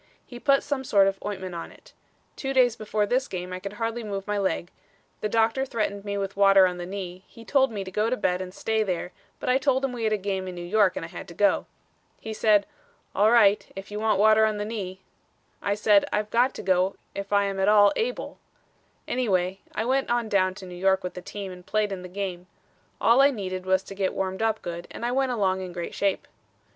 He put some sort of ointment on it. Two days before this game I could hardly move my leg; the doctor threatened me with water on the knee; he told me to go to bed and stay there, but I told him we had a game in New York and I had to go. He said, 'All right, if you want water on the knee.' I said, 'I've got to go if I am at all able.' Anyway, I went on down to New York with the team and played in the game. All I needed was to get warmed up good and I went along in great shape."